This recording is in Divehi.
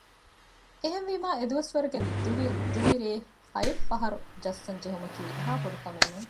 އެހެންވީމާ އެދުވަސްވަރުގެ ރެކޯޑިންގ ދުވި ރޭ ހަޔެއްކަފަހަރު ޖައްސަން ޖެހުމަކީ އެހާ ބޮޑުކަމެއް ނޫން